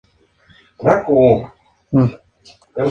Esta crucifixión no es sangrienta, pero no está ausente el dolor.